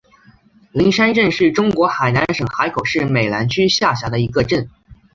灵山镇是中国海南省海口市美兰区下辖的一个镇。